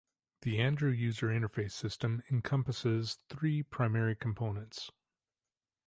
The Andrew User Interface System encompasses three primary components.